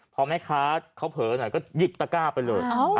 พอแม่ค้าเขาเผลอหน่อยก็หยิบตะก้าไปเลย